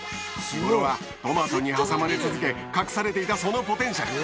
日頃はトマトに挟まれ続け隠されていたそのポテンシャル。